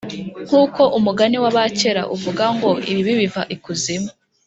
Nk uko umugani w abakera uvuga ngo Ibibi biva ikuzimu